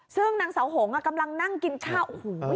ซึ่งนางเสาหงกำลังนั่งกินข้าวโอ้โห